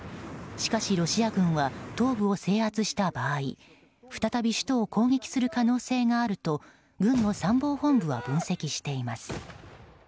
しかしロシア軍は東部を制圧した場合再び首都を攻撃する可能性があると軍の参謀本部は分析しています。